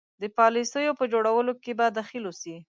د پالیسیو په جوړولو کې به دخیل اوسي.